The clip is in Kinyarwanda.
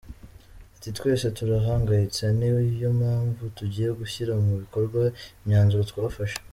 Ati “twese turahangayitse ni yo mpamvu tugiye gushyira mu bikorwa imyanzuro twafashe”.